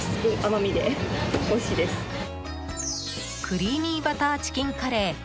クリーミーバターチキンカレー。